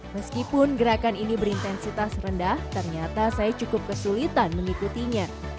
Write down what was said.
meskipun gerakan ini berintensitas rendah ternyata saya cukup kesulitan mengikutinya